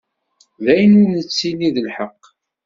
D ayen ur nettili d lḥeqq.